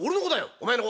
「お前の子。